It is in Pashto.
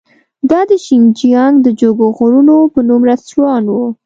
دا د شینجیانګ د جګو غرونو په نوم رستورانت و.